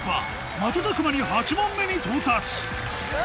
瞬く間に８問目に到達！